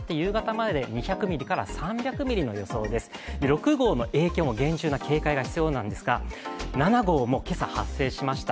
６号の影響も厳重な警戒が必要なんですが、７号もけさ、発生しました。